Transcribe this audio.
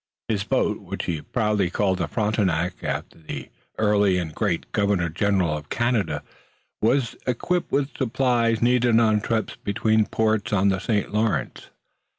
His boat, which he proudly called the Frontenac, after the early and great Governor General of Canada, was equipped with supplies needed on trips between ports on the St. Lawrence.